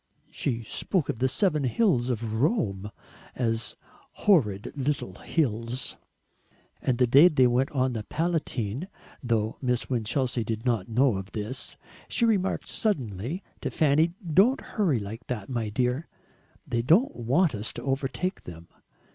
She spoke of the Seven Hills of Rome as "horrid little hills!" And the day they went on the Palatine though Miss Winchelsea did not know of this she remarked suddenly to Fanny, "Don't hurry like that, my dear; THEY don't want us to overtake them.